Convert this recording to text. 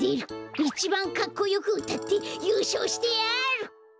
いちばんかっこよくうたってゆうしょうしてやる！